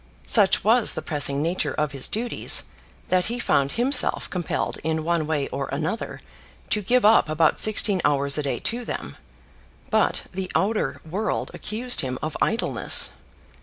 Such was the pressing nature of his duties that he found himself compelled in one way or another to give up about sixteen hours a day to them; but the outer world accused him of idleness.